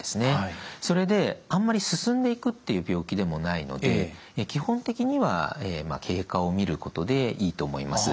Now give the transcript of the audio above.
それであんまり進んでいくっていう病気でもないので基本的には経過を見ることでいいと思います。